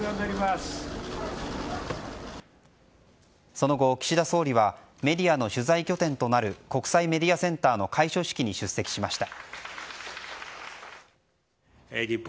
その後、岸田総理はメディアの取材拠点となる国際メディアセンターの開所式に出席しました。